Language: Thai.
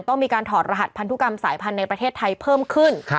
ต้องมีการถอดรหัสพันธุกรรมสายพันธุ์ในประเทศไทยเพิ่มขึ้น